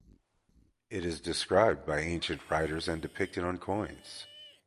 It is described by ancient writers and depicted on coins.